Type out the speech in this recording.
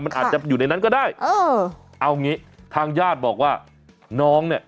มันอาจจะอยู่ในนั้นก็ได้เออเอางี้ทางญาติบอกว่าน้องเนี่ย